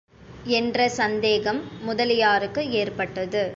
என்ற சந்தேகம் முதலியாருக்கு ஏற்பட்டது.